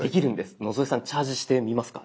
野添さんチャージしてみますか？